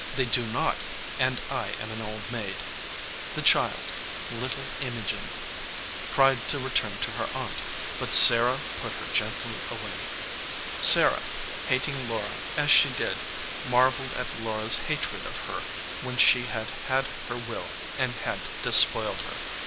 "They do not, and I am an old maid." The child, little Imogen, cried to return to her aunt, but Sarah put her gently away. Sarah, hating "Laura, as she did, marveled at Laura s hatred of her when she had had her will and had despoiled her.